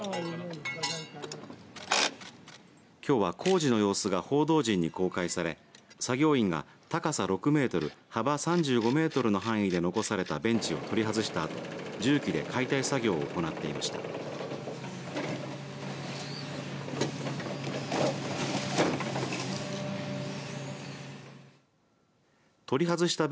きょうは工事の様子が報道陣に公開され作業員が高さ６メートル幅３５メートルの範囲で残されたベンチを取り外したあと重機で解体作業を行っていました。